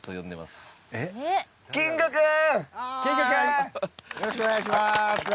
よろしくお願いします。